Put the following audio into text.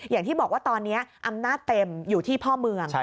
อย่างที่บอกว่าตอนนี้อำนาจเต็มอยู่ที่พ่อเมือง